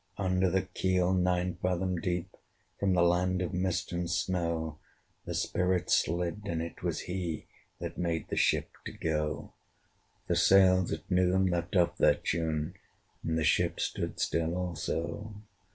Under the keel nine fathom deep, From the land of mist and snow, The spirit slid: and it was he That made the ship to go. The sails at noon left off their tune, And the ship stood still also.